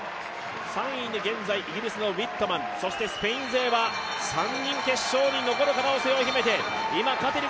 ３位に現在イギリスのウィットマン、スペイン勢は３人決勝に残る可能性を秘めている。